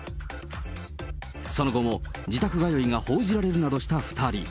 その後も自宅通いが報じられるなどした２人。